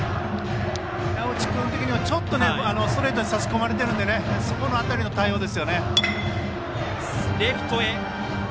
稲内君的にはちょっとストレートに差し込まれているのでその辺りの対応ですね。